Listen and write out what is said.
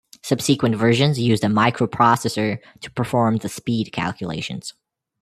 Subsequent versions used a microprocessor to perform the speed calculations.